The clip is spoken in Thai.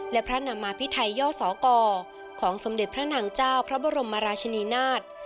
และพระนำมาพิไทยย่อสอกรของสมเด็จพระนางเจ้าพระบรมราชินีนาฏ